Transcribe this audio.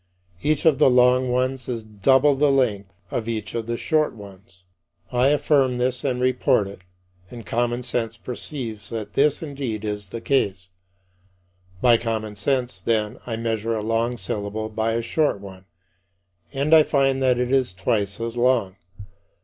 Each of the long ones is double the length of each of the short ones. I affirm this and report it, and common sense perceives that this indeed is the case. By common sense, then, I measure a long syllable by a short one, and I find that it is twice as long.